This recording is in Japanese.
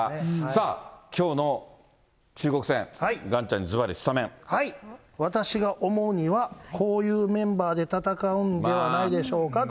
さあ、きょうの中国戦、岩ちゃん私が思うには、こういうメンバーで戦うんではないでしょうかという。